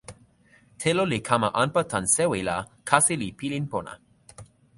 telo li kama anpa tan sewi la kasi li pilin pona